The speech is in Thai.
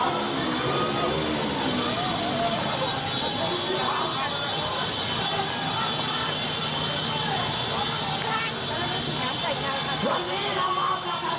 ก็มีความเคลื่อนไหวสักประมาณชั่วโมงกว่า